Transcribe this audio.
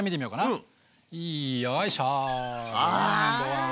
うん！